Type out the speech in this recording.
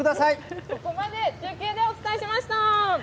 ここまで中継でお伝えしました。